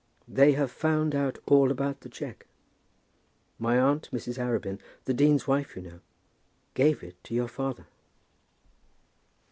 They have found out all about the cheque. My aunt, Mrs. Arabin, the dean's wife, you know, she gave it to your father."